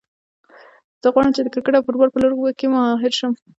زه غواړم چې د کرکټ او فوټبال په لوبو کې ماهر شم